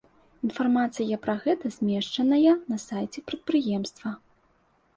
Інфармацыя пра гэта змешчаная на сайце прадпрыемства.